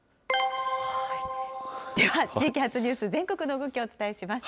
では、地域発ニュース、全国の動きをお伝えします。